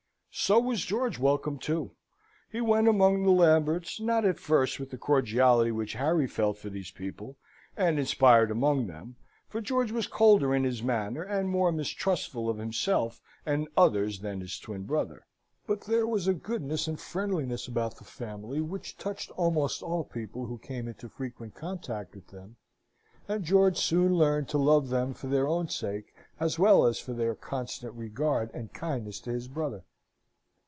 So was George welcome, too. He went among the Lamberts, not at first with the cordiality which Harry felt for these people, and inspired among them: for George was colder in his manner, and more mistrustful of himself and others than his twin brother: but there was a goodness and friendliness about the family which touched almost all people who came into frequent contact with them; and George soon learned to love them for their own sake, as well as for their constant regard and kindness to his brother.